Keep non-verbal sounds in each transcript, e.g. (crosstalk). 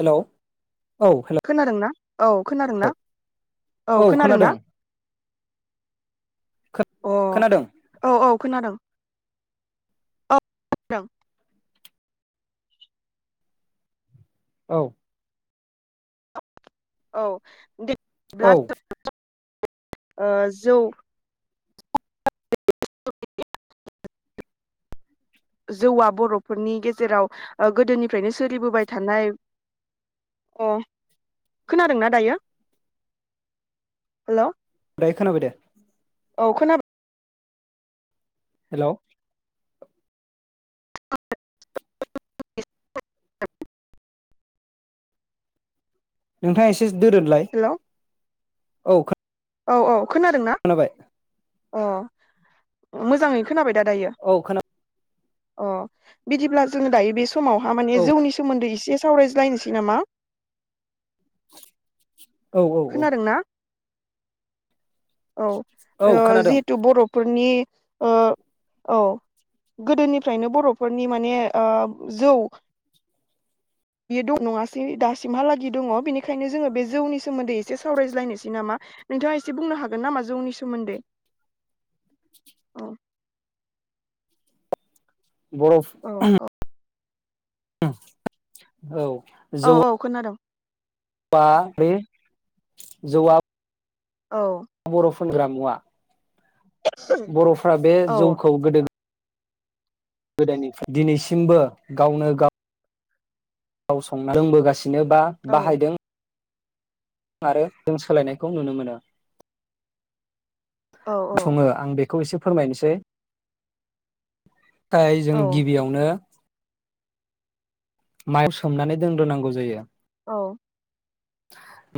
हेल औ हेल। खोनादोंना औ खोनादोंना? औ खोनादोंना? अ खोनादों औ औ। खोनादों औ खोनादों। औ औ दिप औ ओ जौ जौवआ बर' फोरनि गेजेराव गोदोनिफ्रायनो सोलिबोबाय थानाय अ खोनादोंना दायो? हेल' दायो खोनाबाय दे। औ खोनाबा हेलौ (unintelligible) नोंथाङ एसे दोरोथलाय। हेलौ औ। औ औ। खोनादों ना। खोनाबाय अ मोजाङै खोनाबाय दा दायो औ खोना अ बिदिब्ला जोङो दायो बे स समावहा माने औ जौनि सोमोन्दै इसे एसे सावरायज्लायनोसै नामा? औ औ औ। खोनादोंना औ औ ओ खोनादों जिहेतु बर' फोर नि ओ औ गोदोनिफ्रायनो बरफोरनि माने जौ बियो दं नङासै दासिमहालागै दङ बेनिखायनो जोङो बे जौनि सोमोन्दै एसे सावरायज्लायनोसै नामा नोंथाङा एसे बुंनो हागोन नामा जौनि सोमोन्दै औ। बरफ औ औ ओं औ औ औ खोनादों। बा बे जौआ औ फानग्रा मुवा। बर'फ्रा बे औ जौखौ गोदो गोदनिफ्राय दिनैसिमबो गावनो गाव गाव संना लोंबोगासि बिनोबा औ बाहायदों आरो जों सोलायनायखौ नुनो मोनो। औ बुङो आं बे खौ एसे फोरमायनोसै। थाय जों गिबियावनो मायाव सोमनानै दोनग्रोनांगौ जायो। औ औ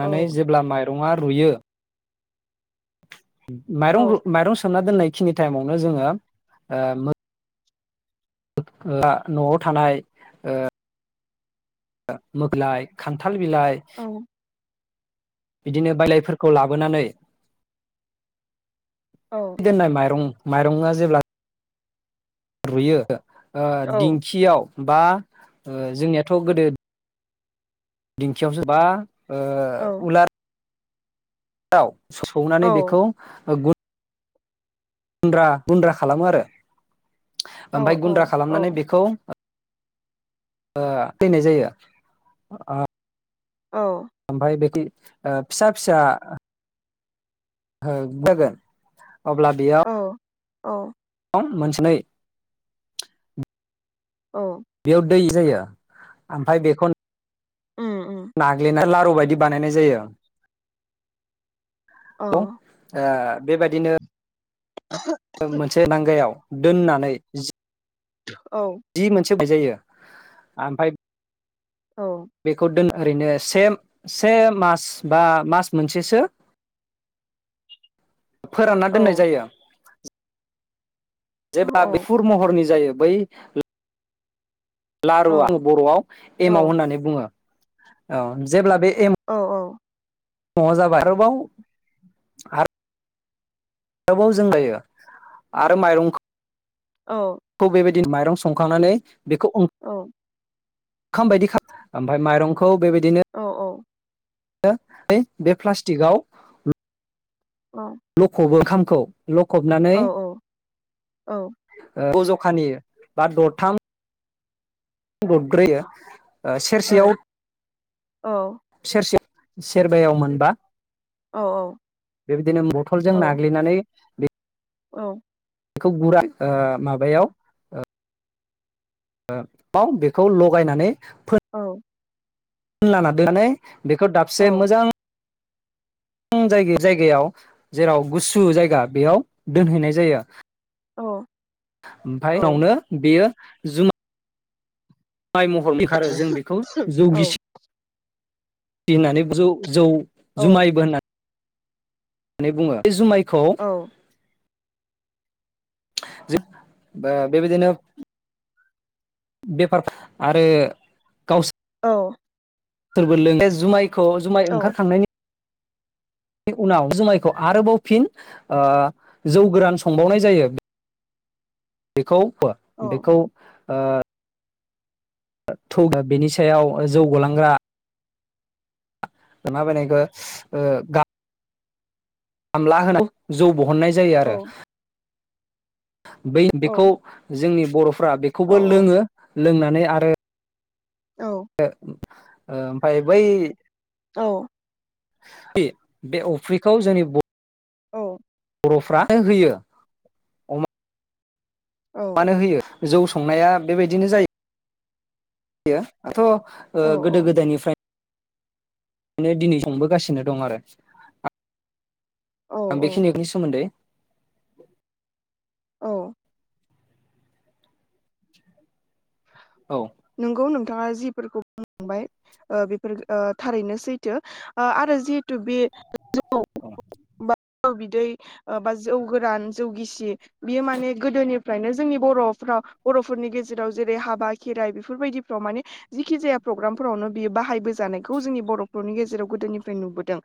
मनानै जेब्ला माइ रङा रुयो औ माइरं माइरं सोमना दोननाय बेखिनि टाइमावनो जोङो ओ न'आव थानाय मोख्लाय खान्थाल फाल बिलाय औ बिदिनो बायलायफोरखौ लाबोनानै औ दोननाय माइरं माइरां जेब्ला रुयो। ओ औ दिंखियाव बा जोंनियाथ' गोदो दिंखियावसो बा ओ उलार दाउ सौनानै औ बेखौ गु गुन्द्रा गुन्द्रा खालामो आरो औ ओमफाय गुन्द्रा खालामनानै बेखौ ओ फैनाय जायो ओ। औ। ओमफ्राय बेखि फिसा फिसा जोगोन। (inaudible) अब्ला बेयाव औ मोनसेनै औ बेयाव दै जायो आमफाय बेखौ उम उम नाग्लिना लारु बायदि बानायनाय जायो। औ आ। बे बायदिनो। मोनसे नांगायाव दोननानै जि औ सोबाय जायो आमफाय औ बेखौ दोन ओरैनो से से मास बा मास मोनसेसो फोरानना औ दोननाय जायो। जेब्ला औ बिफुर महरनि जायो बै लारुवा जों औ बरआव एमाव होननानै बुङो। औ जेब्ला बे औ औ माव जाबाय आरोबाव आर। आरोबाव जों जायो आरो माइरंखौ औ दि माइरं सं खांनानै बेखौ ओं खाम बायदि (inaudible) ओमफाय माइरंखौ बेबाय औ औ। (inaudible) बे प्लास्टिकआव ल लखबो ओंखाम खौ लखबनानै ओ (inaudible) खानियो बा दरथाम ददब्रैयो ओ सेरसेयाव सेरसेयाव सेरबायाव मोनबा। बेबायदिनो बथलजों नाग्लिनानै औ। खौ गुरा ओ माबायाव ओ ओ बाव बेखौ लगायनानै औ। (inaudible) बेखौ दाबसे मोजां (inaudible) जाय जायगायाव जेराव गुसु जायगा बेयाव दोनहैनाय जायो। औ। ओमफाय उनावनो बेयो जुमा माइ महर‌ ओंखारो जों बेखौ जौगिसि फि होननानै जौ जौ जुमाइबो होनना नै बुङो बे जुमाइ खौ। जो ओ बेबायदिनो बेफार आरो गावसो औ। सोरबो लोङो बे जुमाइ खौ जुमाइ ओंखार खांनायनि (inaudible) उनाव जुमाइखौ आरोबाव फिन ओ जौ गोरान संबावनाय जायो। बेखौ (inaudible) बेखौ। ओ। थौ ओ बेनि सायाव ओ जौ गलांग्रा मा बानायखो ओ गा गामला होना जौ बहननाय जायो आरो। बै बेखौ जोंनि बर'फ फ्रा बेखौबो लोङो। लोंनानै आरो (unintelligible) ओ ओमफ्राय बै औ फि बे अफ्रिखौ जोंनि औ बरफ्रा नो होयो अमा मानो होयो जौ संनाया बेबायदिनो जायो। गैया दाथ' ओ गोदो गोदायनिफ्राय नै दिनै संबोगासिनो दं आरो आ आं बेखिनिनि सोमोन्दै (inaudible) औ। औ नंगौ नोंथाङा जिफोरखौ बुंबाय ओ बेफोर ओ थारैनो सैथो ओ आरो जिहेथु बे (unintelligible) बा (unintelligible) जौ बिदै बा जौ गोरान जौ गिसि बियो माने गोदोनिफ्रायनो जोंनि बरफ्राव बरफोरनि गेजेराव जेरै हाबा खेराइ बेफोरबायदिफ्राव माने जेखि जाया प्रग्रामफोरावनो बियो बाहायबोजानायखौ जोंनि बर'फोरनि गेजेराव गोदोनिफ्राय नुबोदों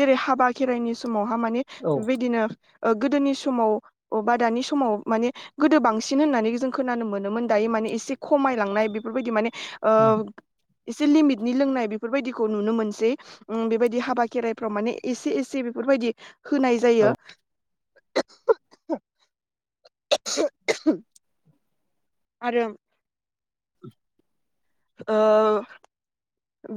जेरै हाबा खेराइनि समाव हा माने औ बेबायदिनो ओ गोदोनि समाव अबा दानि समाव माने गोदो बांसिन होननानै जों खोनानो मोन मोन दायो माने इसे ख खमायलांनाय बेफोरबायदि माने ओ एसे लिमिटनि लोंनाय बेफोरबायदिखौ नुनो मोनसै उम बेबायदि हाबा खेराइफ्राव माने एसे एसे बेफोरबायदि होनाय जायो। (inaudible) आरो ओ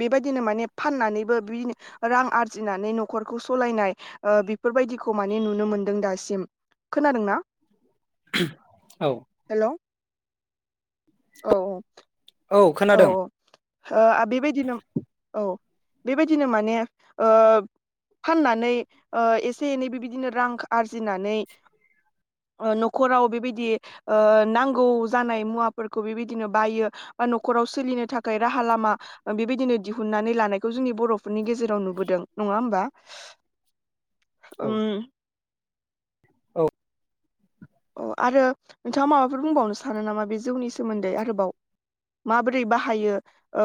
बेबायदिनो माने फाननानैबो बिदिनो रां आरजिनानै नखरखौ सालायनाय ओ बेफोरबायदिखौ माने नुनो मोनदों दासिम खोनादोंना? औ हेल' औ औ औ औ खोनादों। ओ बेबायदिनो औ बेबायदिनो माने ओ फाननानै एसे एनै बेबायदिनो रां आरजिनानै नखराव बेबायदि नांगौ जानाय मुवा फोरखौ बेबायदिनो बायो बा नराव सोलिनो थाखाय राहा लामा बेबायदिनो दिहुननानै लानायखौ जोंनि बरफोरनि गेजेराव नुबोदों। नङा होमबा? औ उम औ। अ आरो नोंथाङा माबाफोर बुंबावनो सानो नामा बे जौनि सोमोन्दै आरोबाव माबोरै बाहायो? ओ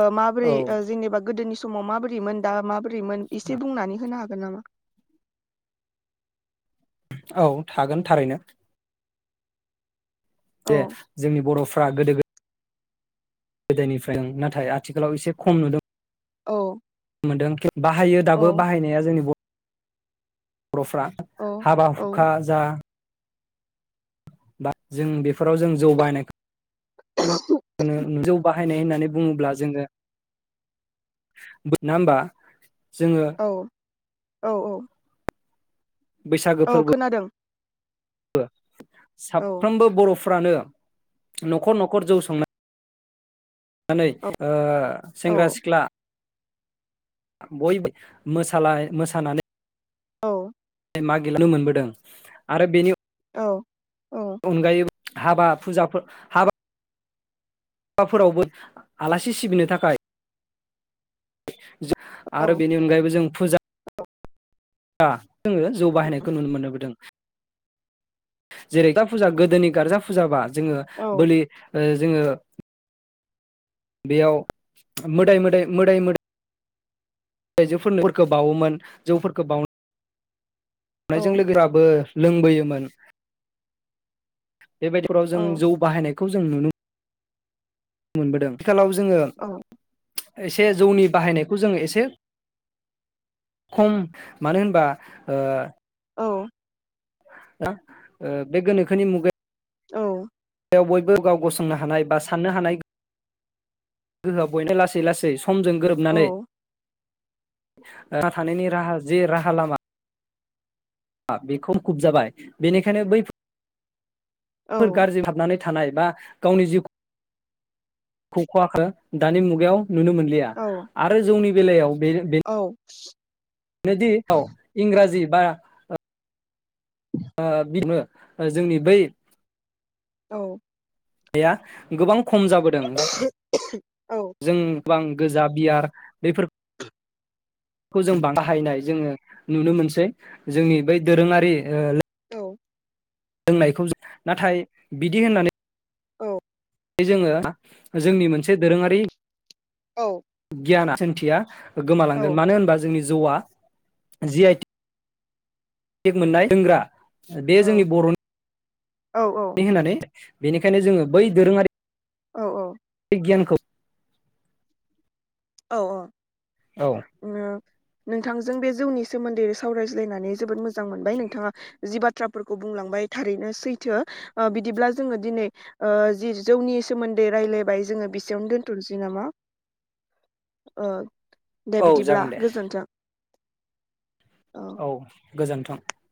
औ माबोरै ओ जेंनेबा गोदोनि समाव माबोरै मोन दा माब रैमोन एसे बुंनानै होनो हागोन? (unintelligible) औ थागोन थारैनो जे औ जोंनि बर' फ्रा गोदो गो गोदोनिफ्राय नाथाय आथिखालाव एसे खम नुदों। औ। मोनदों बाहायो दाबो औ बाहायनाया जोंनि बर' बर'फ्रा औ हाबा औ हुखा जा बा जों बेफोराव जों जौ बाहनाय (inaudible) होनो नु जौ बाहायनाय होननानै बुङोब्ला जोङो बोदना होनबा। औ औ औ बैसागो औ फोरबो खोनादों औ। औ साफ्रोमबो बर' फ्रानो न'खर न'खर जौ संनाय नानै औ ओ। औ सेंग्रा सिख्ला। बयबो मोसालाय मोसानानै औ मा गेलेनो मोनबोदों आरो बेनि औ। औ अगायोबो। हाबाब फुजाफोर हाबा (unintelligible) फोरावबो आलासि सिबिनो थाखाय (unintelligible) औ आरो बेनि अनगायैबो जों। फुजा दा। जोङो जौ बाहायनायखौ नुनो मोनबोदों। जेरै फुजा गोदोनि गारजा फुजाबा। जोङो औ बोलि ओ जोङो बेयाव मोदाय मोदाय मोदाय मोदाय आइजोफोरनो फोरखौ बावोमोन जौफोरखौ बावनो हमनायजों औ लोगोफोराबो लोंबोयोमोन। बेबायदिफोराव जों औ जौ बाहायनायखौ खौ जों नुनो मोनबोदों। थिखालाव जोङो औ एसे जौनि बाहायनायखौ जोङो एसे खम मानो होनबा ओ औ। ना ओ बे गोनोखोनि मुगायाव औ बयबो गाव गसंनो हानाय बा साननो हानाय गोहोआव लासै लासै समजों गोरोबनानै औ (unintelligible) थानायनि राहा जे राहा लामा बेखौ खुब जाबाय बेनिखायनो बै औ गाज्रि हाबनानै थानाय बा गावनि जिउ खखवाखो दानि मुगायाव नुनो मोनलिया औ औ आरो जौनि बेेलायाव औ इंराजि बा आ बिदिनो जोंनि बै औ। (unintelligible) गोबां खम जाबोदों। (unintelligible) जोंबां गोजा बियार बेफोर खौ जों बाहायनाय जोङो नुनो मोनसै जोंनि बै दोरोङारि औ। लोंनायखौ जों नाथाय बिदि होननानै औ जोङो जोंनि मोनसे दोरोङारि औ। गियाना सोंथिया गोमालांगोन मानो होनबा जोंनि जौवा जि आइटि फेख मोननाय दोनग्रा बे जोंनि बर' औ औ । बेनिखायनो जोङो बै दोरोङारि औ औ । गियानखोफ औ औ । अंयो । नोंथांजों बे जौनि सोमोन्दै सावरायज्लायनानै जोबोद मो मोजां मोनबाय नोंथाङा जिबाथ बाथ्राफोरखौ बुंलांबाय थारैनो सैथो बिदिब्ला जोङो दिनै जि जौनि सोमोन्दै रायज्लायबाय जोङो बेसेयावनो दोनथसै नामा? ओ । दे औ बिदिब्ला जागोन दे गोजोन्थों । औ । गोजोन्थों ।